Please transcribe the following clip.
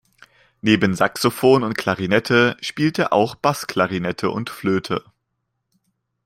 Neben Saxophon und Klarinette spielt er auch Bassklarinette und Flöte.